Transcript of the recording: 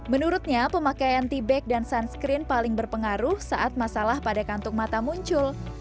menurutnya pemakaian tea bag dan sunscreen paling berpengaruh saat masalah pada kantung mata muncul